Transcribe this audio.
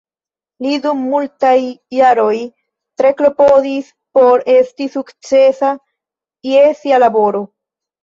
Li dum multaj jaroj tre klopodis por esti sukcesa je sia laboro.